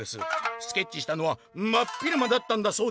スケッチしたのはまっ昼間だったんだそうです！」。